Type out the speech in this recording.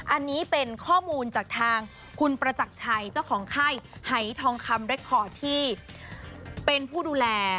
อันนี้เป็นข้อมูลจากทางคุณประจักรชัยเจ้าของไข้หายทองคำเรคคอร์ดที่เป็นผู้ดูแล